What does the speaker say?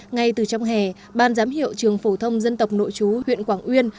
ngay từ trong hè ban giám hiệu trường phổ thông dân tộc nội chú huyện quảng uyên